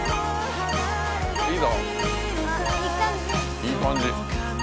いい感じ。